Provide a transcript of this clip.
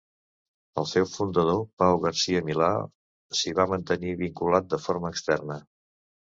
El seu fundador Pau Garcia-Milà s'hi va mantenir vinculat de forma externa.